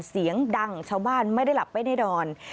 เสียงดังชาวบ้านไม่ได้หลับไม่ได้นอน